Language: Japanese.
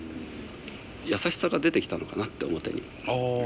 優しさが出てきたのかなって表に。